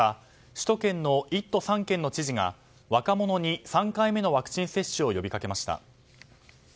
首都圏の１都３県の知事が若者に３回目のワクチン接種を呼びかけました。